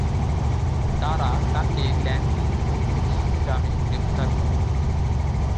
তারা তাকে ল্যান্ডিং ঐতিহাসিক গ্রামে গ্রেপ্তার করে।